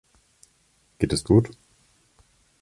Geht es gut?